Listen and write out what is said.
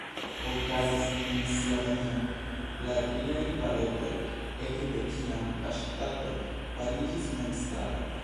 Okazis en Slovenio la triaj balotoj, ekde kiam la ŝtato fariĝis memstara.